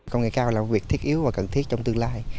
công nghệ cao là việc thiết yếu và cần thiết trong tương lai